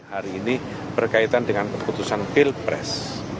hari ini berkaitan dengan keputusan pilpres